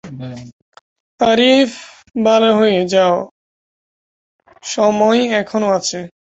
এছাড়াও, দলের প্রয়োজনে বোলার হিসেবে নিজেকে উপস্থাপন করতেন ফ্রেড স্মিথ।